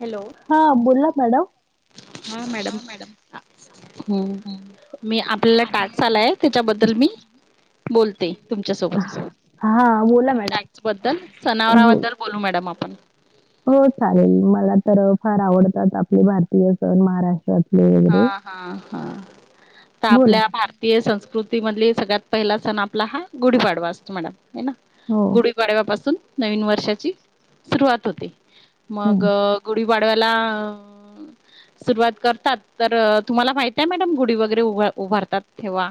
Hello हा बोला madam हा मॅडम हम्म मी आपल्याला टाटस आलाय त्याच्याबद्दल मी बोलते तुमच्या सोबत हा बोला मॅडम टॅक्स बद्दल हो सनावराबद्दल बोलू मॅडम आप हम् हो चालेल मला तर फार आवडतात आपले भारतीय सण महाराष्ट्रात हा हा हा तर बोला आपल्या भारतीय संस्कृती त मधले सगळ्यात पहिला सण आपला हा गुढीपाडवा असतो मॅडम आहे ना हो गुढीपाडव्यापासून नवीन वर्षाची सुरवात होते मग हम्म गुढी वाढवायला सुरुवात करतात तर तुम्हाला माहित आहे मॅडम गुढी वगैरे उ उभारतात ठव्हा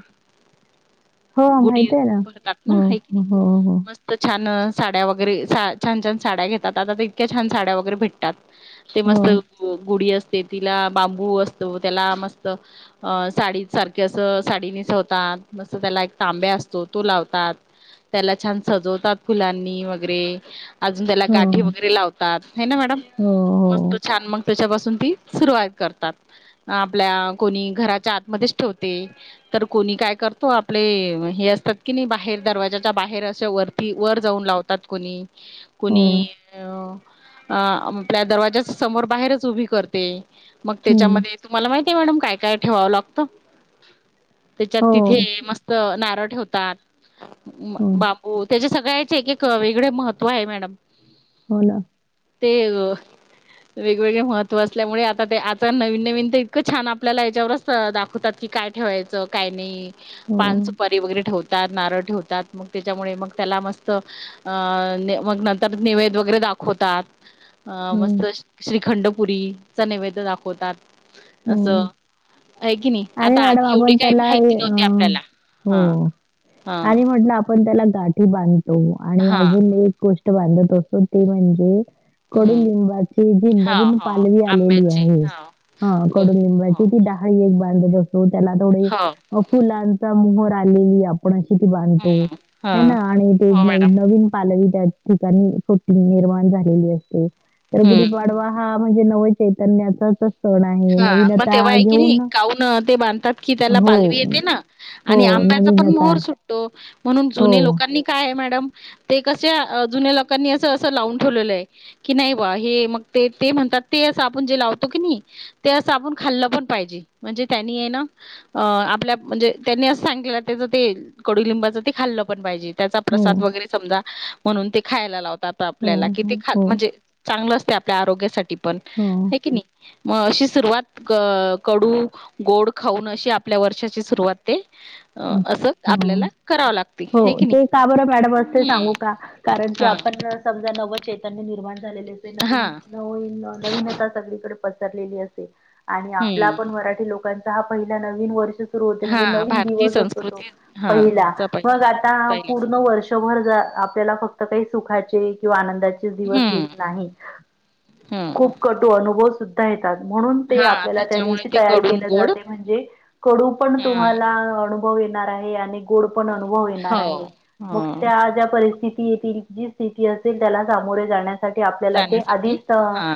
हो गुढी माहित आहे ना वैरे पहतात ना हो आहे की हो नाही हो मस्त छान साड्या वगैरे सा छान छान साड्या घेतात आता इतक्या छान साड्या वगैरे भेटतात ते हो मस्त गुढी असते तिला बांबू अस त्याला मस्त अ साडी सारखे अस साडी निसवतात मस्त त्याला एक तांब्या ोात त्या छ सजवतात फुलानी वरे अजून त्याला गाठी हो वगैरे लावतात हे ना मॅडम हो मस्त छान मग त्याच्यापासून ती सुरुवात करतात आपल्या कोणी घराच्या आतमध्येच ठेवते तर कोणी काय करतो आपले हे असतात की नाही बाहेर दरवाजाच्या बाहेर असे वरती वर जाऊन लावतात कोणी हो कोणी हो हो अ आपल्या दरवाज्या समोर बाहेरच उभी करते मग हम्म त्याच्यामध्ये तुम्हाला माहि ते मॅडम काय काय ठेवाव लागत त्याच्यात हो तिथे मस्त नारळ ठेवतात हो बापू त्याच्या सगळ्याचे एक एक वेगळे महत्त्व आहे मॅडम हो ना ते वेगवेगळे महत्व असल्यामुळे आता ते तर नवीन नवीन तर इतकं छान आपल्याला याच्यावरच दाखवतात की, काय ठेवायचं काय नाही- हो पाणस परे वगैरे ठेवते नारळ ठेवतात, म त्याच्यामुळे मग त्याला मस्त नर नैवध वगैरे- दाखवतात, अ हो मस्त श्रीखंडपुरीचा नैवेद दाखवतात. असं आहे की नि- आणि मॅडम आपण त्याला हो हा हा आणि म्हटलं आपण- त्याला गाठी बांधतो आणि हा अजूनी एक गोष्ट बांधत असतो ते म्हणजे- कडु हम्म लिंबाची जी हा नवीन हा पालवी आलेली आंब्याचे आहे हा हा हो हो कडुलिंबाची द एक बांध असो त्याला थोडे हो फुलांचा मोहर आलेली आपण [unintelligible] बांधतो हम्म हा ह ना आणि ते न नवीन पालवी त्या ठिकाणी निर्माण झालेली असते, तर हम्म गुढीपाडवा हा- म्हणजे नव चैतन्याचाच सण आहे, हा नवीन मग आता तेव्हा आहे की नाही घेऊन- काऊन ते बांधतात की त्याला हो, पालवी येते ना आणि हो. आंब्याचा पण नवीनता. मोहर सुटतो- म्हणून हो, जुने लोकांनी काय आहे मॅडम- ते क जुन्या लोकांनी अस अस लावून ठेवलेलं आहे की, नाही बा हे मग ते म्हण- तर ते असं आपण जे लावतो की नी ते असं आपण खाल्लं पण पाहिजे, म्हणजे त्यांनी आहे ना, अ आपल्या म्हणजे त्यांनी असं सांगितलं- ते कडुलिंबाचं ते खाल्लं पण पाहिजे त्याचा हो. प्रसाद वगैरे समजा, म्हणून ते खायला लावतात हो, आपल्याला कि ते हो, ख हो, म्हणजे चांगल- आपल्या आरोग्यासाठी पण हो. हाय की नि म अशीच- सुरुवात कडू गोड खाऊन अशी आपल्या वर्षाची सुरुवात ते- अ असं आपल्याला करावं लागते. हो है की नाही? ते का बरं मॅडम असते सांगू हं. का कारण- हां. आपण समजा नव चे निर्माण झालेले असे, नवीन हां. नवी नवीनता सगळीकडे पसरलेली असे- आणि आपला पण हं. मराठी लोकांचा हा पहिला नवीन वर्ष सुरू होते म्हणजे हां. नवीन भारतीय दिवस संस्कृती हां. पहिला चा पहिला मग आता पहिला सण. पूर्ण वर्षभर आपल्याला फक्त काही सुखाचे किंवा आनंदा- दिवस हं. येत नाही हं. खूप कटु अनुभव सुद्धा य- म्हणून ते हां. आपल्याला त्या त्याच्यामुळे दिवशी ते तयार कडून केले गोड जाते, म्हणजे कडू पण हां. तुम्हाला- अनुभव आहे आणि गोड पण अनुभव येणार हो. आहे, हो. मग त्या ज्या परिस्थिती- येथ जी स्थिती साठी आपल्याला ते जाण्यासाठी आधीच हां.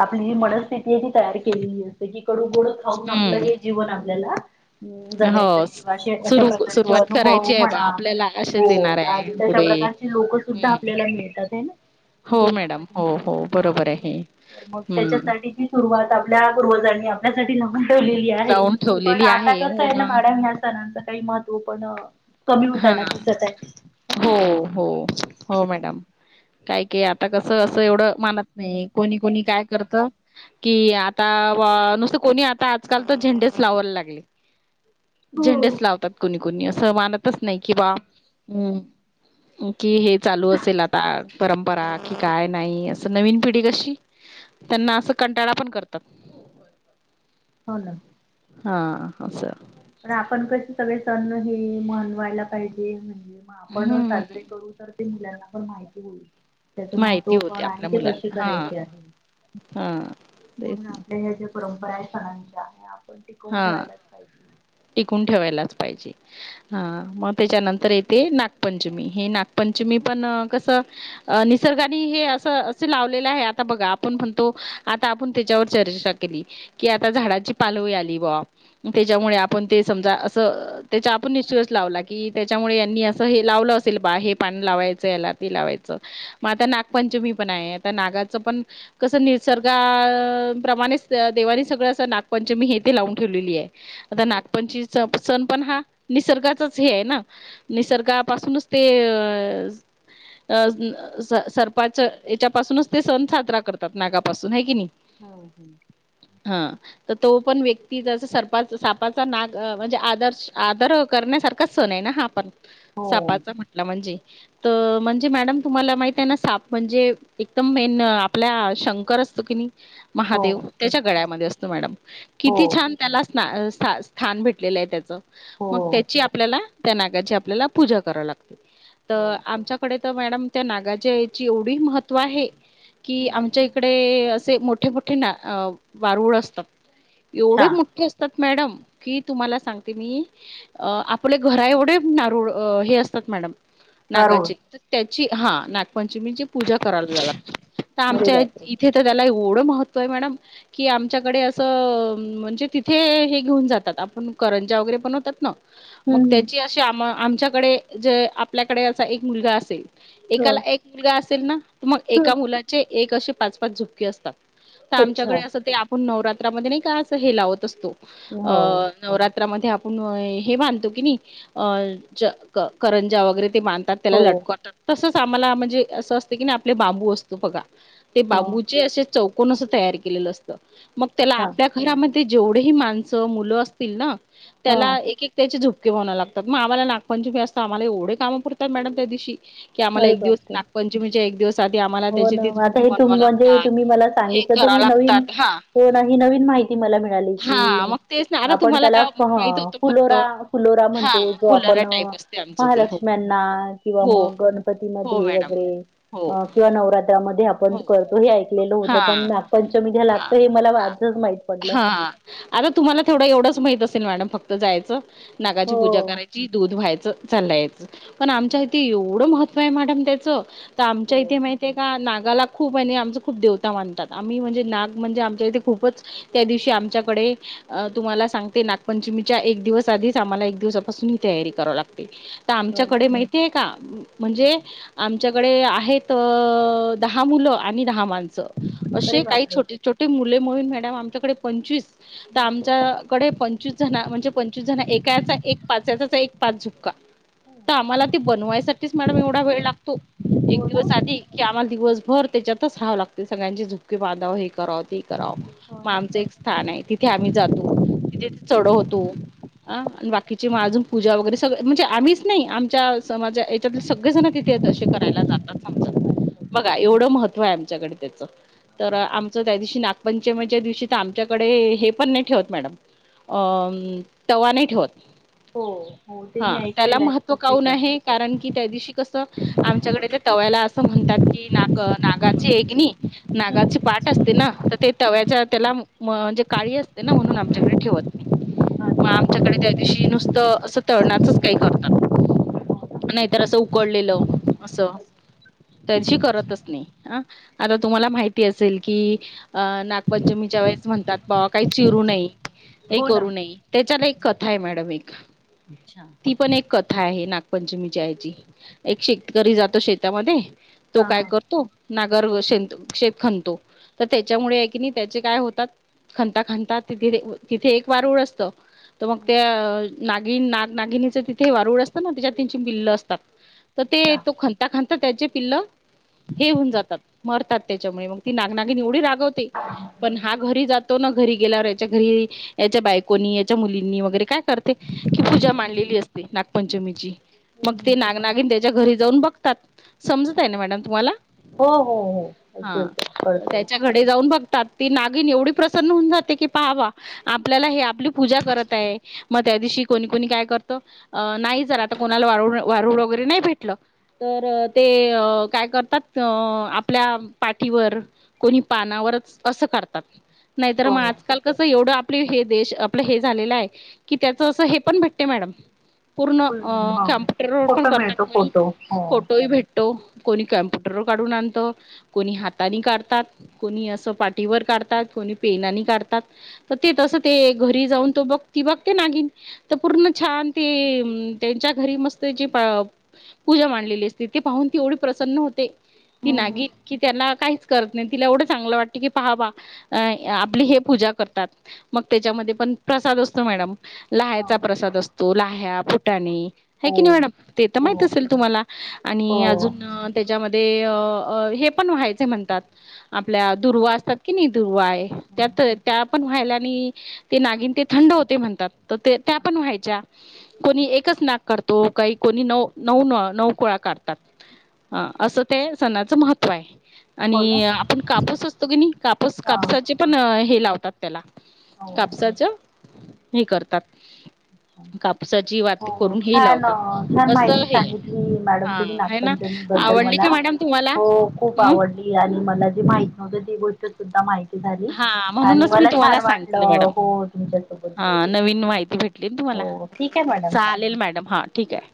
आपली मनस्थिती ही तयार केलेली अस की- कडू गोड खाऊन आपलं हं. हे जीवन आपल्याला हो. जगायचं आहे. किंवा अशा सुरू प्रकारचे सुरुवात अनुभव करायची आहे बा म्हणा आपल्याला हो असेच येणार आहे आणि तशा पुढे. प्रकारचे लोक सुद्धा- हं. आपल्याला मिळतात आहे ना- हो मॅडम. जीवनामध्ये हो, हो. हा बरोबर आहे. तर मग हं. त्याच्यासाठी सुरुवात आपल्या- पूर्वजांनी आपल्यासाठी लावून ठेवलेली आहे, लावून पण ठेवलेली आता कस हो आहे ना मडा- काही महत्व पण- हा, हा, हो, हो, हो, मॅडम. काय कय आता कसं असं एवढं मानत नाही कोणी कोणी काय करत कि आता- नुसत कोणी आता आजकाल तर झेंडेच लावायला लागले. झेंडेस लावतात कोणी, कोणी असं मानतच नाही कि बा हम्. - कि हे चालू असेल आता परंपरा कि काय नाही असं नवीन पिढी कशी- त्यांना असं कंटाळा पण करतात. हो ना. हा सर. पण आपण कसे सगळे सण हे म्हनवायला पाहिजे? [unintelligible] मग आपण हं. साजरे करू तर ते मुलांना पण माहिती होईल. त्याच माहिती महत्व पण आहे ते कसे करायचे आहे? हा म्हणून तेच ना आपल्या ह्या ज्या परंपरा आहे सणांच्या हे आपण टिकवून हां, ठेवायलाच पाहिजे टिकून ठेवायलाच पाहिजे हा मग त्याच्यानंतर येते नागपंचमी हे नागपं म्हणजे मी पण कस निसर्गाने हे असं अस लावलेलं आहे आता बघा आपण म्हणतो आता आपण त्याच्यावर चर्चा केली की आता झाडाची पालवई आली त्याच्यामुळे आपण समजा अस त्या आपण निश्चय लावला क त्याच्यामुळे लावलं असेल हे पान लावायच याला ते लायच मग आता नागपंचमी पण आहे आ नागा पण कस निसर्ग प्रमाणे देवानी सगळं अस नागपंचमी लावून ठेवलेली आहे आता नागपंचीच सण पण हा निसर्गाचाच हे आहे ना निसर्गापासूनच ते अ अ सर्पाच याच्यापासूनच ते सण साजरा करतात नागापासून आहे कि नाही हम हम् हां. तर तो पण व्य ती जसं सरपा सापाचा नाग म्हणजे आदर्श आदर करण्यासारखाच सण आहे ना हा आपण सापाचा म्हटला म्हणजे तर म्हणजे मॅडम तुम्हाला माहित आहे ना साप म्हणजे एकदम मेन आपल्या शंकर असतो की नाही हो महादेव त्याच्या गळ्यामध्ये असतो मॅडम किती हो छान त्यालाच स्थान भेटलेलं आहे त्याच मग हो त्याची आपल्याला त्या नागाची आपल्याला पूजा कराव लागते तर हो आमच्याकडे तर मॅडम त्या नागाज याची एवढी महत्त्व आहे कि आमच्या इकडे असे मोठे मोठे ना वारूळ असतात एवढे अच्छा मोठे असतात मॅडम की तुम्हाला सांगते मी आपले घरा एवढे नारूळ हे असतात मॅडम कारूळ नागाची त्याची हा ना पंचची पूजा करायला लाग तर अरे आमच्या बापरे इथे तर त्याला एवढं महत्त्व आहे मॅडम की आमच्याकडे असं म्हणजे तिथे हे घेऊन जातात आपण करंजा वगैरे पण होतात ना मग हम्म हम्म त्याची अशी आम आमच्याकडे जे आपल्याकडे असा एक मुलगा असेल ह एकाला एक मुलगा असेल ना तर मग एका ह मुलाचे एक असे पाच पाच झुपके असतात तर अच्छा आमच्याकडे असं ते आपण नवरात्रामध्ये नाही का अस हे लावत असतो अ हो नवरात आप हे मानतो की करंजा वगैरे ते मानधतात त्याला हो लटकवतात तसंच आम्हाला म्हणजे असं असतें की ना आपले बांबू असतो बघा ते ह बांबूचे असे चौकन अस तयार केलेलं असतं मग त्याला अच्छा आपल्या जेवढे माण मु असतील ना हा त्याला एक त्याोप ्हाव लागतात मग आ्हाला नागपंचमी असं आम्हा एवढे कामं पुरतात मॅडम त्या दिवशी की आम्हाला अरे एक दिवस बापरे नागपंचमीचे एक दिवस आधी आम्हाला हो त्याचे ना ते आता झुपके हे बनवावे म्हणजे लागतात. तुम्ही मला हे सांगितलं तर कराव ही नवीन लागतात हा. कोण ह नवीन माहिती म मिळाली हा की मग तेच ना आता आपण तुम्हाला त्याला काय माहित होतं फक्त फुोरा फुलोरा हा म्हणतो जो आप फुलारा पण टाईप असते आमचं ते हो. महालक्ष्म्यांना किंवा हो मग हो गणपतीमध्ये मॅडम वगैरे हो अ किंवा नवरात्रामध्ये आपण हो करतो हे ऐकलेलं होतं हा पण नाग पंचमी घ्या हा लागतं हे मला आजच माहित पडत हा आता तुम्हाला तेवढं एवढंच माहित असेल मॅडम फक्त जायचं नागाची हो पूजा करायची दूध व्हायचं चाललायचं पण आमच्या इथे एवढं महत्व मॅडम त्याच तर आमच्या हो इथे माहतीय का गाला खूप आणि आमचं खूप देवता मानतात आम्ही म्हणजे नाग म्हणजे आमच्या इथे खूपच त्या दिवशी आमच्याकडे तुम्हाला सांगते नागपंचमीच्या एक दिवस आधीच आम्हाला एक दिवसापासून इथे तयारी करावी लागते तर हो ना आमच्याकडे माहिती आहे का म्हणजे आमच्याकडे आहेत दहा मुलं आणि दहा माणस अरे असे काही बापरे छोटे छोटे मुले म्हणून मॅडम आमच्या ंचस तर आमच्याकडे पंचवीस जण म्हणजे पंचवीस जण एकाचा एक पाचचा पाच झुपका तर आम्हाला ते बनवायसाठीच मॅडम एवढा वेळ लागतो एक हो ना दिवस आधी की आम्हाला दिवसभर त्याच्यात च राहावं लागते सगळ्यांची झुपके बांधाव हे कराव ते करावं हो मग ना आमचं एक स्थान आहे तिथे आम्ही जातो तिथे अच्छा किची अजून पूजा वगैरे सग म्हणजे आम्हीच नाही आमच्या समाजा याच्याततील सगळे जण तिथेेत असे करायला जात्रा समज बघा एवढं महत्त्व आहे आमच्याकडे त्याच तर आमचं त्या दिवशी नागपंचमी च्या दिवशी आमच्याकडे हे पण नाही ठेवत मॅडम अ तवा नाही ठेवत हो हो ते हा मी त्याला ऐकलेलं आहे महत्व खूप काऊन ठिकाणी आहे कारण की त्या दिवशी कसं आमच्याकडे ते तव्याला अस असं म्हणतात की नाग नागाची एकगणी नागाची पाठ असते ना तर ते तव्याच्या त्याला म्हणजे काळी असते ना म्हणून आमच्याकडे ठेवत नाही मग आमच्याकडे अच्छा त्या दिवशी नुसत असं तळण्याचच काही करतात नाहीतर असं उकडलेलं असं त्याची करतच नाही ह आता तुम्हाला माहिती असेल की अ ना पंचमीच्या वेळेस म्हणतात बाबा काही चिरू नाहीय का हो ना. करू ने त्याच्याला एक कथा आहे मॅडम एक अच्छा. ती पण एक कथा आहे ना पंचमीची आयची एक शेतकरी जातो शेतामध्ये तो हा काय करतो नागर श शेप खनतो तर त्याच्यामुळे आहे की नाही त्याचे काय होतात खांता खांता तिथे तिथे एक वार उड असत तर मग त्या नागि ना नागिनीचं तिथे वारूळ असतं ना त्याच्यात तीन चिन पिल्ल असतात तर ते हा तो खांता खांता त्याचे पिल्ल हे होऊन जातात मरतात त्याच्यामुळे मग ती नागनागी एवढी रागवते पण हा घरी जातो ना घरी गेल्यावर याच्या घरी याच्या बायकोनी याच्या मुलींनी वगैरे काय करते कि पूजा मांडलेली असते नागपंचमीची. मग ते नाग नागिन त्याच्या घरी जाऊन बघतात समजत आहे ना मॅडम तुम्हाला. हो हो हो ऐकू हा येत कळतय. त्याच्या कडे जाऊन बघ. ती नागिन एवढी प्रसन्न होऊन जाते की पहावा आपल्याला हे आपली पूजा करत आहे मग त्या दिशी. कोणी कोणी काय करत नाही जर आता कोणाला वारू वगैरे नाही भेटलं तर. ते काय करतात अ आपल्या पाठीवर कोणी पानावरच. असं करतात नाही तरर हो मग आजकाल कसं एवढं. आप हे देश आपलं हे झालेलं आहे कि त्याच असं हे पण भटते मॅडम. पूर्ण अ हा कॅम्प्युटरवर पण फोटो करतात मिळतो कणी फोटो हो. फोटोही भेटतो. कोणी कम्प्युटर काढून आणत कोणी हातानी काढतात कोणी असं पा. पाटी वर काढतात कोणी पेनानी काढतात तर ते तसं ते घरी जाऊन तो बघ त बघते नागी. तर पूर्ण छान ते त्यांच्या घरी मस्त जी. पूजा मांलेली असती त ते पाहून ती एवढी प्रसन्न होते. ती नागी कि त्याना काहीच करत नाही तिला एवढं चांगलं वाटत. की पहा बा आपली हे पूजा करतात मग त्याच्यामध्ये पण प्रसाद असतो मॅडम. ह लह्याचा प्रसाद असतो लाह्या फुटाणी. ह हो की नाही मॅडम ते तर माहित हो असेल तुम्हाला हो आणि अजून त्याच्यामध्ये. ते अ हेपण व्हायच म्हणतात आपल्या. दुर्वा असतात की नाही दुर्वा आहे त्यात त्या पण व्हायला आणि ते नागिन ते थंड होते म्हणतात. पण व्हायच्या कोणी एकच नाक करतो का कोणी न. कुळा कातात असं ते सणाचं महत्त्व आहे. हो ना आणि आपण कापस असतो की नाही कापस हा कापसाचे पण हे लावतो. हो. [unintelligible] हो छान!, छान! माहिती असं हे सांगितली मॅडम हा तुम्ही आहे ना नागपंचमी बद्दल आवडली का मला. मॅडम तुम्हाला? हो खूप मग आवडली आणि मला जी माहि नव्हत ती गोष्ट सुद्धा माहिती. झाली. हा आणि म्हणूनच मी मला तुम्हाला छान वाटलं सांगितलं मॅडम हो तुमच्यासोबत हा बोलून नवीन माहिती भेटली तुम्हाला. हो ठीक आहे मॅडम. चालेल मॅडम हा ठीक आहे.